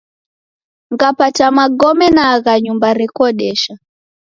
Ngapata magome naagha nyumba rekodesha.